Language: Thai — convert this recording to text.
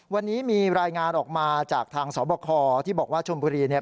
วันนี้มีรายงานออกมาจากทางสบคที่บอกว่าชมบุรีเนี่ย